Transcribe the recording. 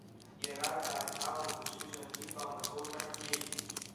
Иара дааҩналан, дызҿыз аниба, амаҵурҭахь днеит.